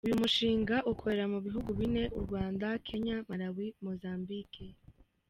Uyu mushinga ukorera mu bihugu bine, u Rwanda, kenya, Malawi, Mozambique.